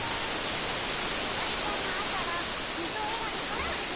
そよりちゃんのあさはみそえらびからはじまるよ。